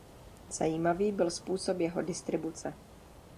Zajímavý byl způsob jeho distribuce.